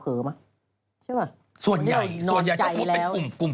เชื่อป่ะวันที่เรานอนใจแล้วส่วนใหญ่ถ้าเป็นกลุ่ม